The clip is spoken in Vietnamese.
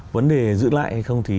vấn đề giữ lại hay không thì